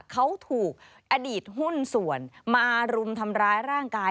เขาถูกอดีตหุ้นส่วนมารุมทำร้ายร่างกาย